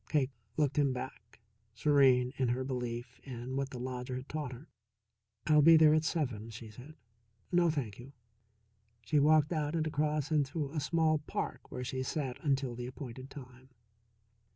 Cake looked him back, serene in her belief in what the lodger had taught her. "I'll be there at seven," she said. "No, thank you." She walked out and across into a small park where she sat until the appointed time.